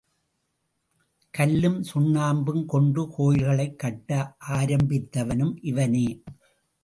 கல்லும் சுண்ணாம்பும் கொண்டு கோயில்களைக் கட்ட ஆரம்பித்தவனும் இவனே.